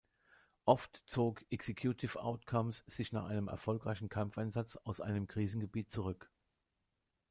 Oft zog Executive Outcomes sich nach einem erfolgreichen Kampfeinsatz aus einem Krisengebiet zurück.